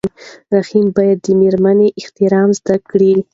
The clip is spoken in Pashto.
رحیم باید د مېرمنې احترام زده کړي.